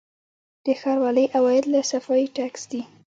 د ښاروالۍ عواید له صفايي ټکس دي